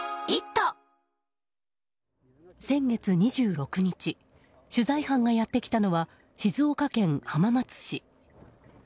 先月２６日取材班がやってきたのは静岡県浜松市。